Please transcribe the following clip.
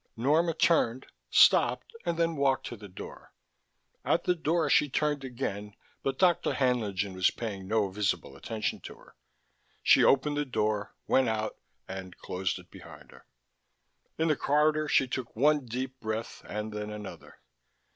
Norma turned, stopped and then walked to the door. At the door she turned again but Dr. Haenlingen was paying no visible attention to her. She opened the door, went out and closed it behind her. In the corridor she took one deep breath and then another.